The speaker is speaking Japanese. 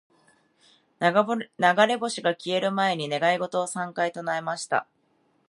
•流れ星が消える前に、願い事を三回唱えました。